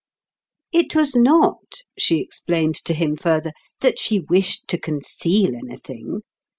It was not, she explained to him further, that she wished to conceal anything.